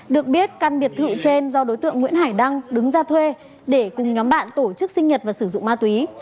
được biết căn biệt thự trên do đối tượng nguyễn hải đăng đứng ra thuê để cùng nhóm bạn tổ chức sinh nhật và sử dụng ma túy